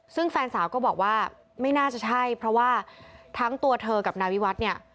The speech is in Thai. ซึ่งแฟนสาวก็บอกว่าไม่น่าจะใช่เพราะว่าทั้งตัวเธอกับนายวิวัฒน์เนี่ย